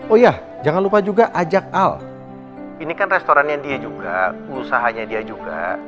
oh iya jangan lupa juga ajak al ini kan restorannya dia juga usahanya dia juga